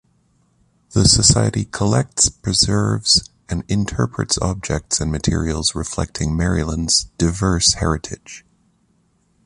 The society collects, preserves, and interprets objects and materials reflecting Maryland's diverse heritage.